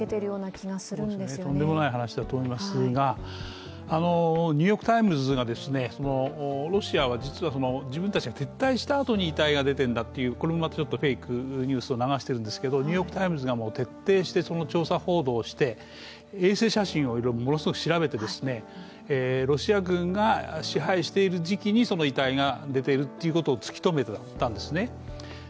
そうですね、とんでもない話だと思いますが、「ニューヨーク・タイムズ」がロシアは実は自分たちが撤退したあとに遺体が出てるんだとこれもまたフェイクニュースを流しているんですけど「ニューヨーク・タイムズ」が徹底して調査報道をして、衛星写真をものすごく調べて、ロシア軍が支配している時期に遺体が出ているということを突き止めたんですね。